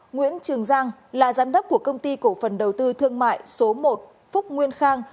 nguyễn trường giang là giám đốc của công ty cổ phần đầu tư thương mại số một phúc nguyên khang